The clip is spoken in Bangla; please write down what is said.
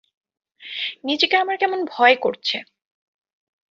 নিজেকে আমার কেমন ভয় করছে।